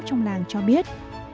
trong làng cho biết